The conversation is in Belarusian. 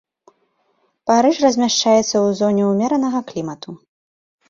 Парыж размяшчаецца ў зоне умеранага клімату.